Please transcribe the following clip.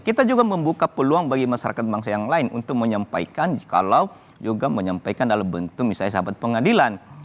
kita juga membuka peluang bagi masyarakat bangsa yang lain untuk menyampaikan kalau juga menyampaikan dalam bentuk misalnya sahabat pengadilan